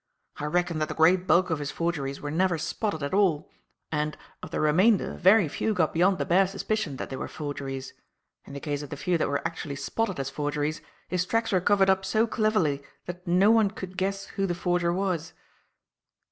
I reckon that the great bulk of his forgeries were never spotted at all, and, of the remainder very few got beyond the bare suspicion that they were forgeries. In the case of the few that were actually spotted as forgeries, his tracks were covered up so cleverly that no one could guess who the forger was."